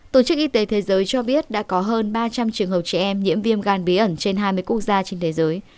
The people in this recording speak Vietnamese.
tổ chức y tế thế giới cho biết đã có hơn ba trăm linh trường hợp trẻ em nhiễm viêm gan bí ẩn trên hai mươi quốc gia trên thế giới